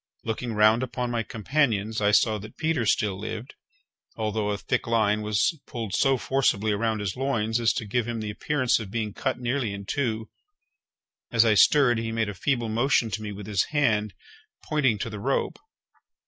Looking round upon my companions, I saw that Peters still lived, although a thick line was pulled so forcibly around his loins as to give him the appearance of being cut nearly in two; as I stirred, he made a feeble motion to me with his hand, pointing to the rope.